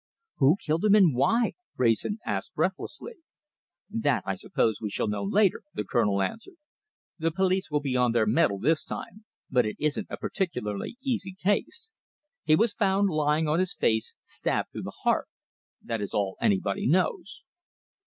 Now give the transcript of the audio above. "Who killed him, and why?" Wrayson asked breathlessly. "That, I suppose, we shall know later," the Colonel answered. "The police will be on their mettle this time, but it isn't a particularly easy case. He was found lying on his face, stabbed through the heart. That is all anybody knows."